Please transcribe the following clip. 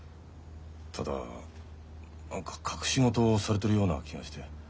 ただ何か隠し事をされてるような気がして。